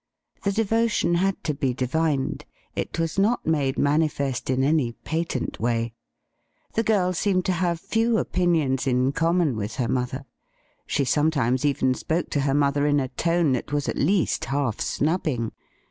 The devotion had to be divined. It was not made manifest in any patent way. The girl seemed to have few opinions in common with her mother. She sometimes even spoke to her mother in a tone that was at least half snubbing.